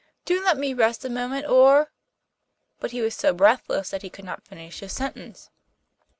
Do let me rest a moment, or ' but he was so breathless that he could not finish his sentence.